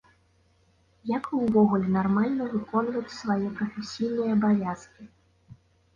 Як і ўвогуле нармальна выконваць свае прафесійныя абавязкі.